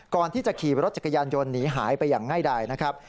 ก่อนที่จะขี่รถจักรยานยนต์หนีหายไปอย่างง่ายดายนะครับ